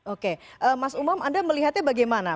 oke mas umam anda melihatnya bagaimana